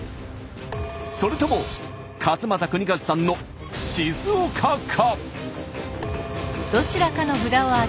それとも勝俣州和さんの静岡か？